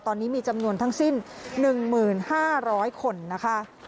ตอนนี้มีจำนวนทั้งสิ้น๑๕๐๐คนนะคะ